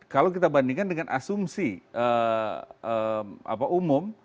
kalau kita bandingkan dengan asumsi umum